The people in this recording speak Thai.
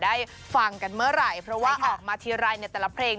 ได้ฟังได้มามิวัยเหรอวะออกมาเทียร่างมาตลอด